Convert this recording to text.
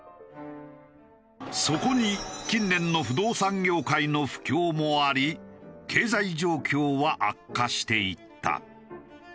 そこに近年の不動産業界の不況もあり経済状況は悪化していった。